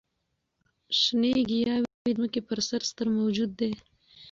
شنې ګیاوې د ځمکې پر سر ستر موجود دي.